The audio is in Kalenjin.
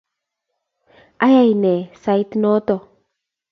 Ayay ne sait noto?